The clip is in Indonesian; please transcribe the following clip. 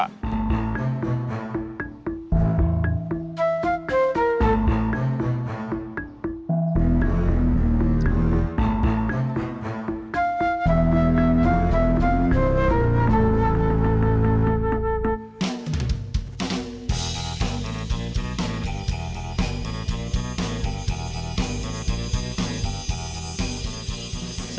sekarang kalian coba